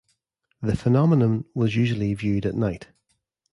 The phenomenon was usually viewed at night.